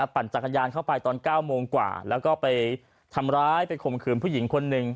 ปั่นจักรยานเข้าไปตอน๙โมงกว่าแล้วก็ไปทำร้ายไปข่มขืนผู้หญิงคนหนึ่ง